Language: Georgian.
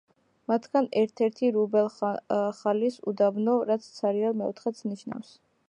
მათგან ერთ-ერთია რუბ-ელ-ხალის უდაბნო, რაც „ცარიელ მეოთხედს“ ნიშნავს.